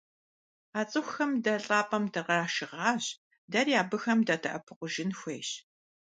А цӀыхухэм дэ лӀапӀэм дыкърашыгъащ, дэри абыхэм дадэӀэпыкъужын хуейщ.